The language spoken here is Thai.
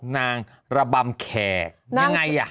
นางระบำแขกนางยังไงอะ